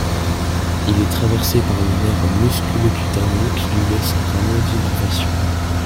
Il est traversé par le nerf musculocutané qui lui laisse un rameau d'innervation.